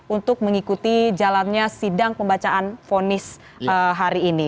untuk mengikuti jalannya sidang pembacaan fonis hari ini